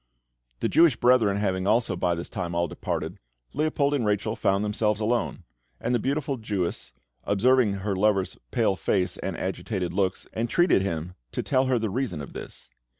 The Jewish brethren having also by this time all departed, Leopold and Rachel found themselves alone; and the beautiful Jewess, observing her lover's pale face and agitated looks, entreated him to tell her the reason of this.